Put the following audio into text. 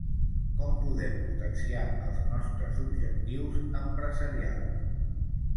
Com podem potenciar els nostres objectius empresarials?